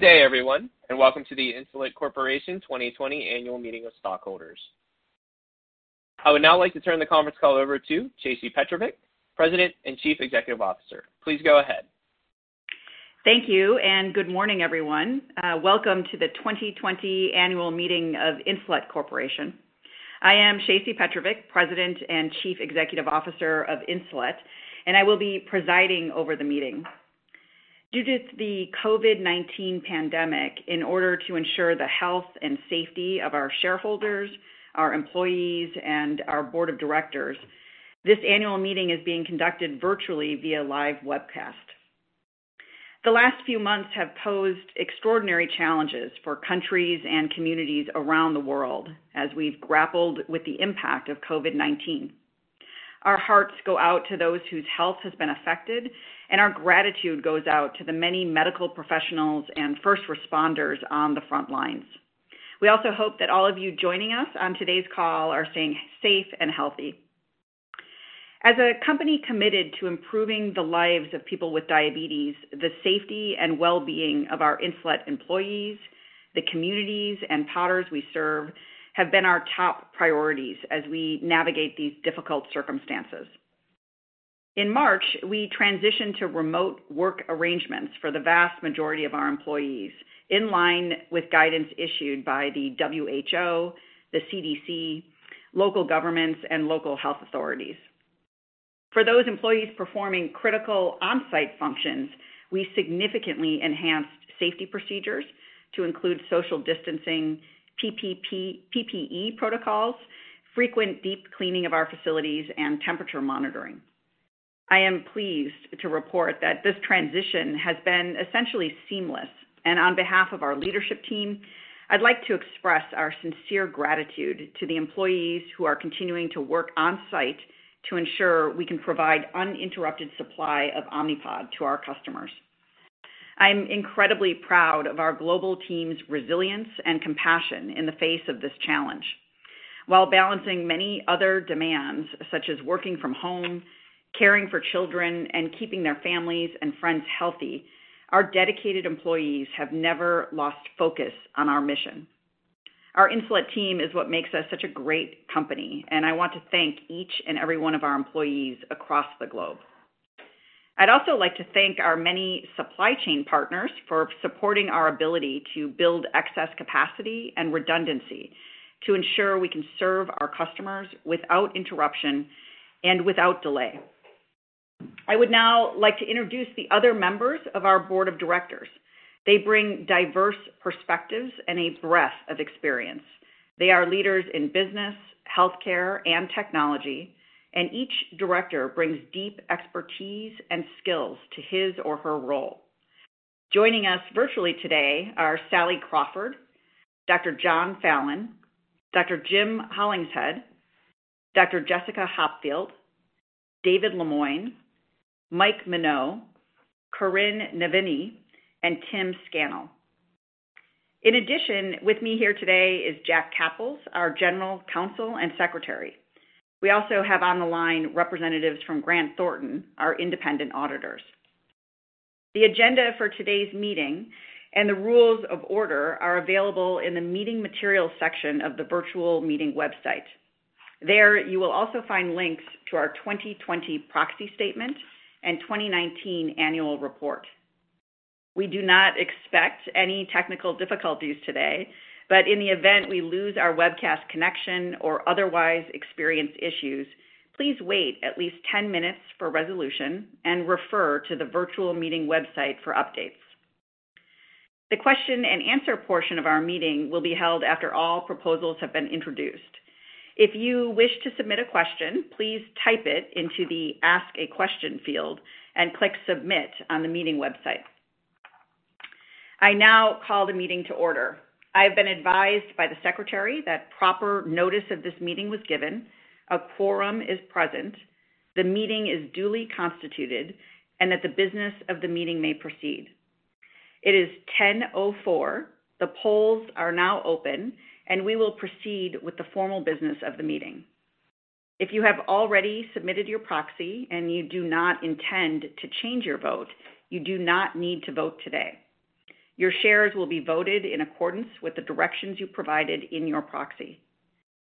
Good day, everyone, and welcome to the Insulet Corporation 2020 Annual Meeting of Stockholders. I would now like to turn the conference call over to Shacey Petrovic, President and Chief Executive Officer. Please go ahead. Thank you, and good morning, everyone. Welcome to the 2020 Annual Meeting of Insulet Corporation. I am Shacey Petrovic, President and Chief Executive Officer of Insulet, and I will be presiding over the meeting. Due to the COVID-19 pandemic, in order to ensure the health and safety of our shareholders, our employees, and our board of directors, this annual meeting is being conducted virtually via live webcast. The last few months have posed extraordinary challenges for countries and communities around the world as we've grappled with the impact of COVID-19. Our hearts go out to those whose health has been affected, and our gratitude goes out to the many medical professionals and first responders on the front lines. We also hope that all of you joining us on today's call are staying safe and healthy. As a company committed to improving the lives of people with diabetes, the safety and well-being of our Insulet employees, the communities, and patients we serve have been our top priorities as we navigate these difficult circumstances. In March, we transitioned to remote work arrangements for the vast majority of our employees, in line with guidance issued by the WHO, the CDC, local governments, and local health authorities. For those employees performing critical on-site functions, we significantly enhanced safety procedures to include social distancing, PPE protocols, frequent deep cleaning of our facilities, and temperature monitoring. I am pleased to report that this transition has been essentially seamless, and on behalf of our leadership team, I'd like to express our sincere gratitude to the employees who are continuing to work on-site to ensure we can provide uninterrupted supply of Omnipod to our customers. I am incredibly proud of our global team's resilience and compassion in the face of this challenge. While balancing many other demands, such as working from home, caring for children, and keeping their families and friends healthy, our dedicated employees have never lost focus on our mission. Our Insulet team is what makes us such a great company, and I want to thank each and every one of our employees across the globe. I'd also like to thank our many supply chain partners for supporting our ability to build excess capacity and redundancy to ensure we can serve our customers without interruption and without delay. I would now like to introduce the other members of our board of directors. They bring diverse perspectives and a breadth of experience. They are leaders in business, healthcare, and technology, and each director brings deep expertise and skills to his or her role. Joining us virtually today are Sally Crawford, Dr. John Fallon, Dr. Jim Hollingshead, Dr. Jessica Hopfield, David Lemoine, Mike Minogue, Corinne Nevinny, and Tim Scannell. In addition, with me here today is Jack Kapples, our General Counsel and Secretary. We also have on the line representatives from Grant Thornton, our independent auditors. The agenda for today's meeting and the rules of order are available in the meeting materials section of the virtual meeting website. There you will also find links to our 2020 proxy statement and 2019 annual report. We do not expect any technical difficulties today, but in the event we lose our webcast connection or otherwise experience issues, please wait at least 10 minutes for resolution and refer to the virtual meeting website for updates. The Question and Answer portion of our meeting will be held after all proposals have been introduced. If you wish to submit a question, please type it into the Ask a Question field and click Submit on the meeting website. I now call the meeting to order. I have been advised by the secretary that proper notice of this meeting was given, a quorum is present, the meeting is duly constituted, and that the business of the meeting may proceed. It is 10:04. The polls are now open, and we will proceed with the formal business of the meeting. If you have already submitted your proxy and you do not intend to change your vote, you do not need to vote today. Your shares will be voted in accordance with the directions you provided in your proxy.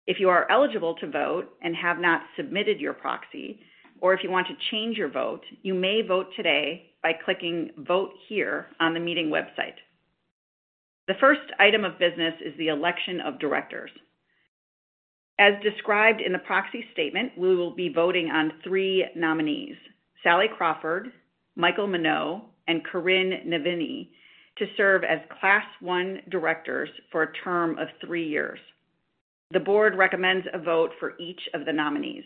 If you are eligible to vote and have not submitted your proxy, or if you want to change your vote, you may vote today by clicking Vote Here on the meeting website. The first item of business is the Election of Directors. As described in the proxy statement, we will be voting on three nominees: Sally Crawford, Michael Minogue, and Corinne Nevinny to serve as Class I Directors for a term of three years. The board recommends a vote for each of the nominees.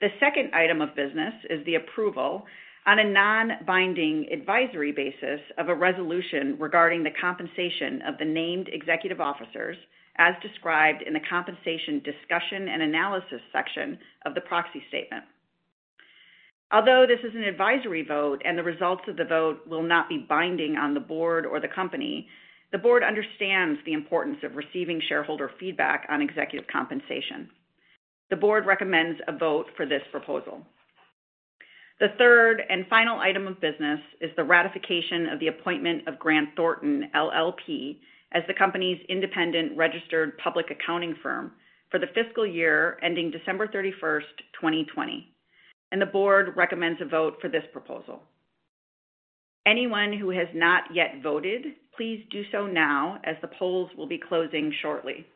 The second item of business is the approval on a non-binding advisory basis of a resolution regarding the compensation of the named executive officers, as described in the Compensation Discussion and Analysis section of the proxy statement. Although this is an advisory vote and the results of the vote will not be binding on the board or the company, the board understands the importance of receiving shareholder feedback on executive compensation. The board recommends a vote for this proposal. The third and final item of business is the ratification of the appointment of Grant Thornton LLP as the company's independent registered public accounting firm for the fiscal year ending December 31st, 2020, and the board recommends a vote for this proposal. Anyone who has not yet voted, please do so now as the polls will be closing shortly.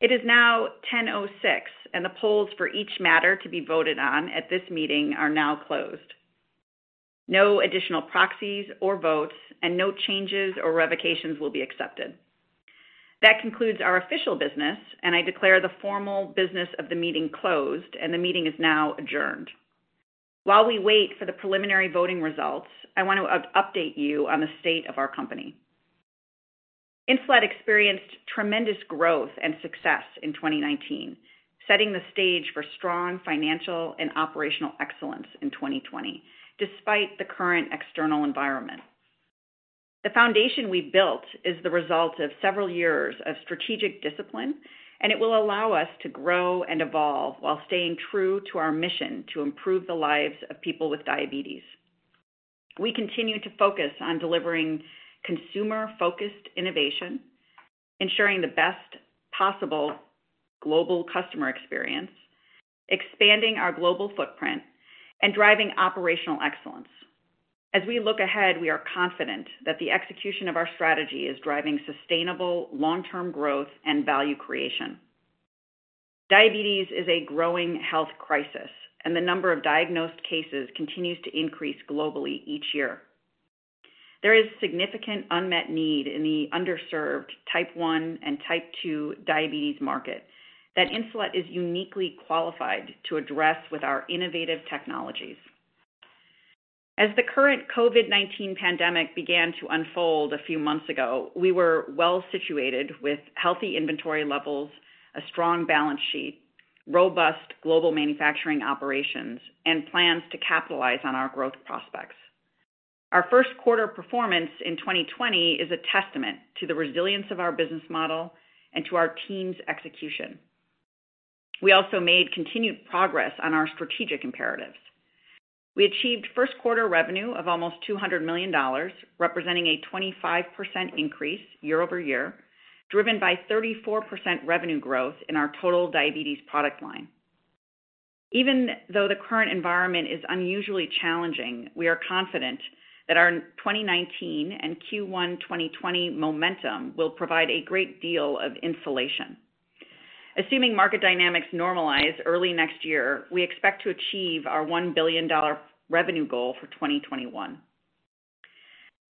It is now 10:06, and the polls for each matter to be voted on at this meeting are now closed. No additional proxies or votes, and no changes or revocations will be accepted. That concludes our official business, and I declare the formal business of the meeting closed, and the meeting is now adjourned. While we wait for the preliminary voting results, I want to update you on the state of our company. Insulet experienced tremendous growth and success in 2019, setting the stage for strong financial and operational excellence in 2020, despite the current external environment. The foundation we've built is the result of several years of strategic discipline, and it will allow us to grow and evolve while staying true to our mission to improve the lives of people with diabetes. We continue to focus on delivering consumer-focused innovation, ensuring the best possible global customer experience, expanding our global footprint, and driving operational excellence. As we look ahead, we are confident that the execution of our strategy is driving sustainable long-term growth and value creation. Diabetes is a growing health crisis, and the number of diagnosed cases continues to increase globally each year. There is significant unmet need in the underserved Type 1 and Type 2 diabetes market that Insulet is uniquely qualified to address with our innovative technologies. As the current COVID-19 pandemic began to unfold a few months ago, we were well situated with healthy inventory levels, a strong balance sheet, robust global manufacturing operations, and plans to capitalize on our growth prospects. Our first quarter performance in 2020 is a testament to the resilience of our business model and to our team's execution. We also made continued progress on our strategic imperatives. We achieved first quarter revenue of almost $200 million, representing a 25% increase year-over-year, driven by 34% revenue growth in our total diabetes product line. Even though the current environment is unusually challenging, we are confident that our 2019 and Q1 2020 momentum will provide a great deal of insulation. Assuming market dynamics normalize early next year, we expect to achieve our $1 billion revenue goal for 2021.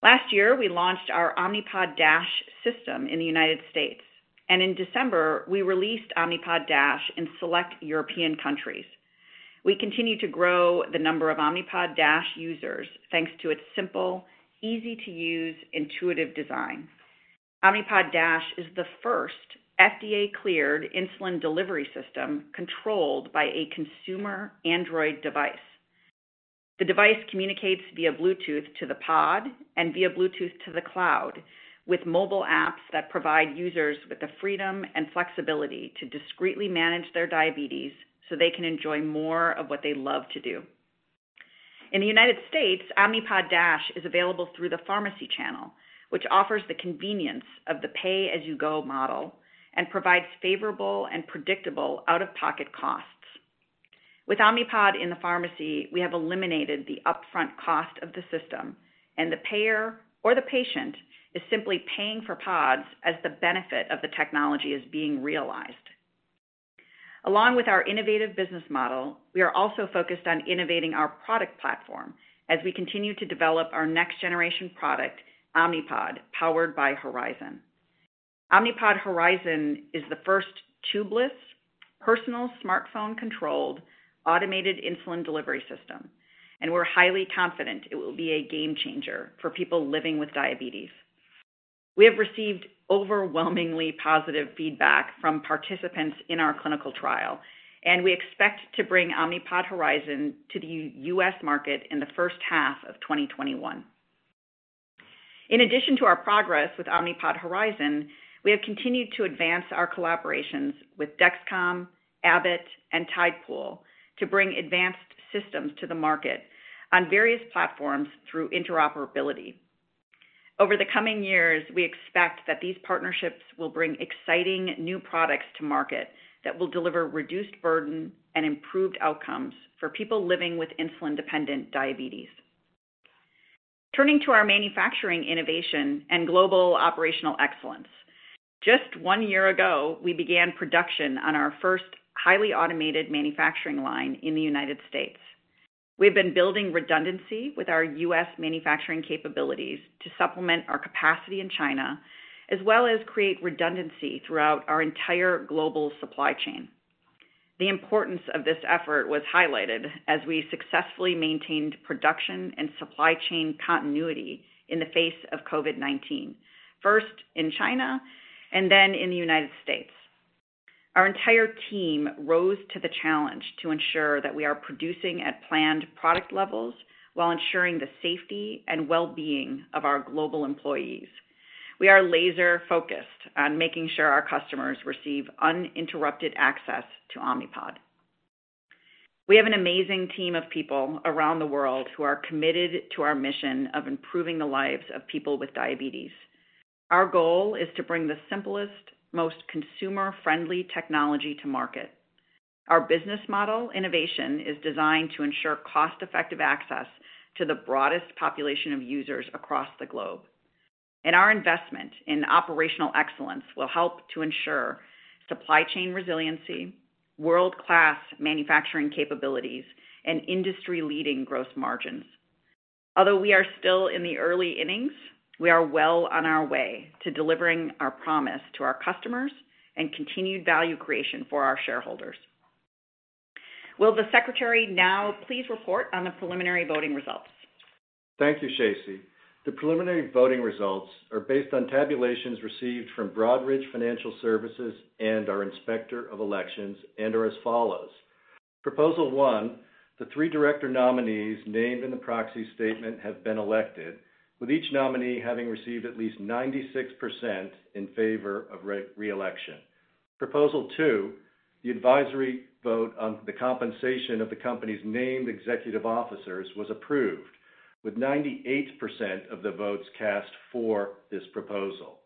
Last year, we launched our Omnipod DASH system in United States, and in December, we released Omnipod DASH in selected European countries. We continue to grow the number of Omnipod DASH users thanks to its simple, easy-to-use, intuitive design. Omnipod DASH is the first FDA-cleared insulin delivery system controlled by a consumer Android device. The device communicates via Bluetooth to the pod and via Bluetooth to the cloud, with mobile apps that provide users with the freedom and flexibility to discreetly manage their diabetes so they can enjoy more of what they love to do. In the United States, Omnipod DASH is available through the pharmacy channel, which offers the convenience of the pay-as-you-go model and provides favorable and predictable out-of-pocket costs. With Omnipod in the pharmacy, we have eliminated the upfront cost of the system, and the payer or the patient is simply paying for pods as the benefit of the technology is being realized. Along with our innovative business model, we are also focused on innovating our product platform as we continue to develop our next-generation product, Omnipod, powered by Horizon. Omnipod Horizon is the first tubeless, personal smartphone-controlled, automated insulin delivery system, and we're highly confident it will be a game changer for people living with diabetes. We have received overwhelmingly positive feedback from participants in our clinical trial, and we expect to bring Omnipod Horizon to the U.S. market in the first half of 2021. In addition to our progress with Omnipod Horizon, we have continued to advance our collaborations with Dexcom, Abbott, and Tidepool to bring advanced systems to the market on various platforms through interoperability. Over the coming years, we expect that these partnerships will bring exciting new products to market that will deliver reduced-burden and improved outcomes for people living with insulin-dependent diabetes. Turning to our manufacturing innovation and global operational excellence, just one year ago, we began production on our first highly automated manufacturing line in the United States. We have been building redundancy with our U.S. manufacturing capabilities to supplement our capacity in China, as well as create redundancy throughout our entire global supply chain. The importance of this effort was highlighted as we successfully maintained production and supply chain continuity in the face of COVID-19, first in China and then in the United States. Our entire team rose to the challenge to ensure that we are producing at planned product levels while ensuring the safety and well-being of our global employees. We are laser-focused on making sure our customers receive uninterrupted access to Omnipod. We have an amazing team of people around the world who are committed to our mission of improving the lives of people with diabetes. Our goal is to bring the simplest, most consumer-friendly technology to market. Our business model innovation is designed to ensure cost-effective access to the broadest population of users across the globe. And our investment in operational excellence will help to ensure supply chain resiliency, world-class manufacturing capabilities, and industry-leading gross margins. Although we are still in the early innings, we are well on our way to delivering our promise to our customers and continued value creation for our shareholders. Will the secretary now please report on the preliminary voting results? Thank you, Shacey. The preliminary voting results are based on tabulations received from Broadridge Financial Services and our Inspector of Elections and are as follows. Proposal 1, the three Director nominees named in the proxy statement have been elected, with each nominee having received at least 96% in favor of reelection. Proposal 2, the advisory vote on the compensation of the company's named executive officers was approved, with 98% of the votes cast for this proposal.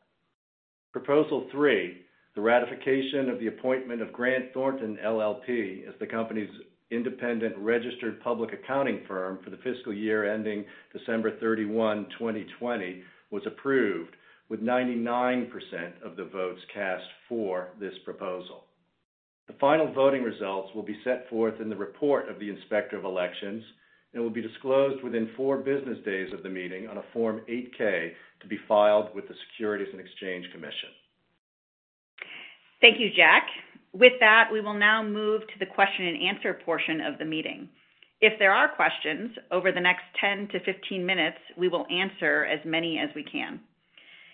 Proposal 3, the ratification of the appointment of Grant Thornton LLP as the company's independent registered public accounting firm for the fiscal year ending December 31, 2020, was approved, with 99% of the votes cast for this proposal. The final voting results will be set forth in the report of the Inspector of Elections and will be disclosed within four business days of the meeting on a Form 8-K to be filed with the Securities and Exchange Commission. Thank you, Jack. With that, we will now move to the Question-and-Answer portion of the meeting. If there are questions, over the next 10 to 15 minutes, we will answer as many as we can.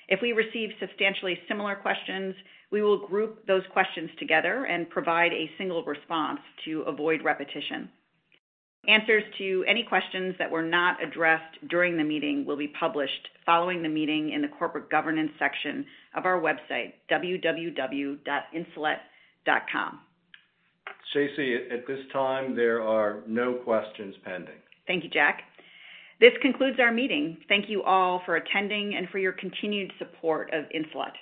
If we receive substantially similar questions, we will group those questions together and provide a single response to avoid repetition. Answers to any questions that were not addressed during the meeting will be published following the meeting in the corporate governance section of our website, www.insulet.com. Shacey, at this time, there are no questions pending. Thank you, Jack. This concludes our meeting. Thank you all for attending and for your continued support of Insulet.